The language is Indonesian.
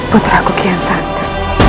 putraku kian santa